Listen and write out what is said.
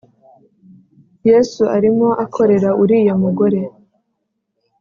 Yesu arimo akorera uriya mugore